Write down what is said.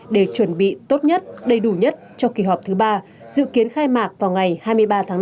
để chuẩn bị tốt nhất đầy đủ nhất cho kỳ họp thứ ba dự kiến khai mạc vào ngày hai mươi ba tháng năm